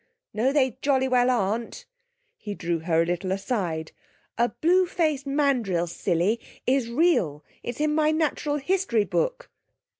'No, they jolly well aren't.' He drew her a little aside. 'A blue faced mandrill, silly, is real; it's in my natural history book.'